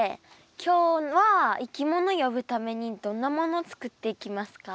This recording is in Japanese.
今日はいきもの呼ぶためにどんなもの作っていきますか？